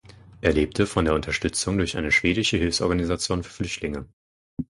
Er lebte von der Unterstützung durch eine schwedische Hilfsorganisation für Flüchtlinge.